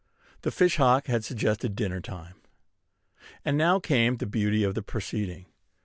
The fish hawk had suggested dinner time. And now came the beauty of the proceeding.